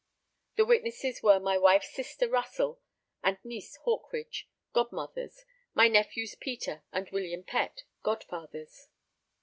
The witnesses were my wife's sister Russell and niece Hawkridge, godmothers, my nephews Peter and William Pett, godfathers.